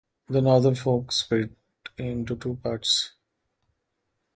The northern fork split into two parts.